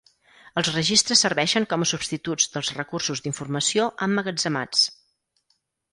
Els registres serveixen com a substituts dels recursos d'informació emmagatzemats.